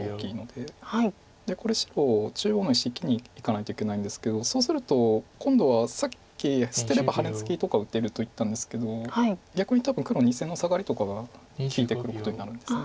でこれ白中央の石生きにいかないといけないんですけどそうすると今度はさっき捨てればハネツギとか打てると言ったんですけど逆に多分黒２線のサガリとかが利いてくることになるんです。